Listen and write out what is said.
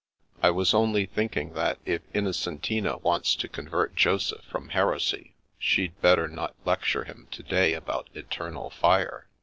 " I was only thinking that if Innocentina wants to convert Joseph from heresy she'd better not lecture him to day about eternal fire.